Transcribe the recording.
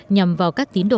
nhằm vào các tín đồn